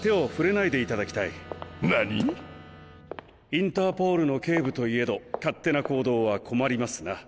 インターポールの警部といえど勝手な行動は困りますな。